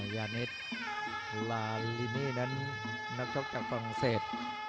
ยานิดลาลินีนั้นนักชกจากฝรั่งเศส